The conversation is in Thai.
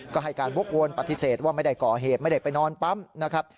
ก็ให้การวกวนปฏิเสธว่าไม่ได้ก่อเหตุไม่ได้ไปนอนปั๊มนะครับ